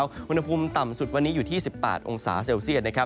อุณหภูมิต่ำสุดวันนี้อยู่ที่๑๘องศาเซลเซียตนะครับ